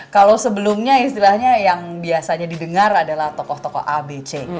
kalau sebelumnya istilahnya yang biasanya didengar adalah tokoh tokoh abc